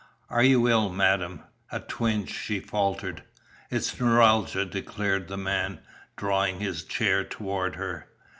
"Are you ill, madam?" "A twinge," she faltered. "It's neuralgia," declared the man, drawing his chair toward her.